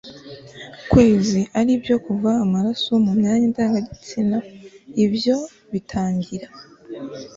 kwezi, ari byo kuva amaraso mu myanya ndangagitsina. ibyo bitangira